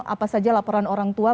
apa saja laporan orang tua